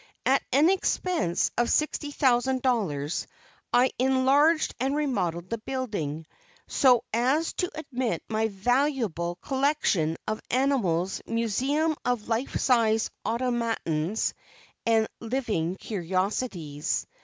At an expense of $60,000 I enlarged and remodeled the building, so as to admit my valuable collection of animals, museum of life size automatons, and living curiosities.